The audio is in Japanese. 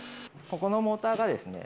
ここのモーターがですね